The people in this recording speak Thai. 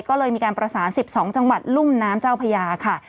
ก็เลยมีการประสาน๑๒จังหวัดลุ่มน้ำเจ้าพญาค่ะ